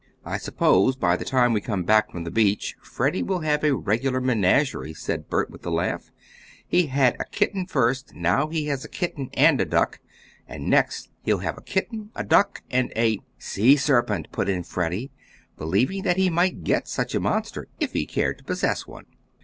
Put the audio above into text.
"I suppose by the time we come back from the beach Freddie will have a regular menagerie," said Bert, with a laugh. "He had a kitten first, now he has a kitten and a duck, and next he'll have a kitten, a duck, and a " "Sea serpent," put in Freddie, believing that he might get such a monster if he cared to possess one.